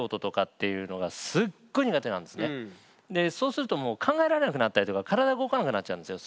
そうするともう考えられなくなったりとか体が動かなくなっちゃうんですよ。